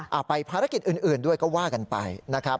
เอาไปภารกิจอื่นด้วยก็ว่ากันไปนะครับ